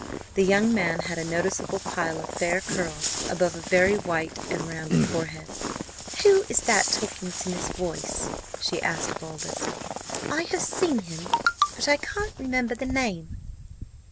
The young man had a noticeable pile of fair curls above a very white and rounded forehead. "Who is that talking to Miss Boyce?" she asked of Aldous; "I have seen him, but I can't remember the name."